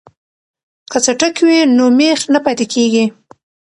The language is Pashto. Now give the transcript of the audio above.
که څټک وي نو میخ نه پاتې کیږي.